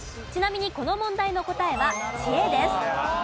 ちなみにこの問題の答えは知恵です。